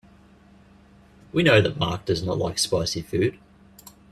We know that Mark does not like spicy food.